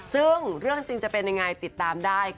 ซึ่งเรื่องจริงจะเป็นยังไงติดตามได้